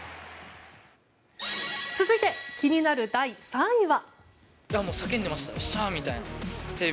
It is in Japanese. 続いて、気になる第３位は。